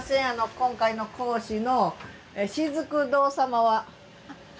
今回の講師のしずく堂様は？